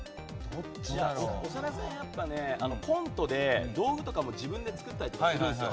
長田さんはコントで道具とかも自分で作ったりするんですよ。